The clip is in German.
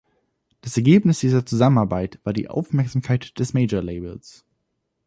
Das Ergebnis dieser Zusammenarbeit war die Aufmerksamkeit der Major-Labels.